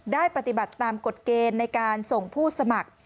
ได้ปฏิบัติตามกฎเกณฑ์ในการส่งผู้สมัคร